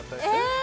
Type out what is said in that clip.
え